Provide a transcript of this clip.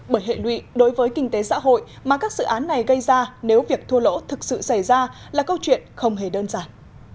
bởi hệ lụy đối với kinh tế xã hội mà các dự án này gây ra nếu việc thua lỗ thực sự xảy ra là câu chuyện không hề đơn giản